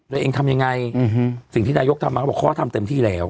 ตัวเองทำยังไงสิ่งที่นายกทำมาเขาบอกเขาทำเต็มที่แล้ว